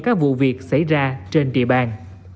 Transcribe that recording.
các vụ việc xảy ra trên địa bàn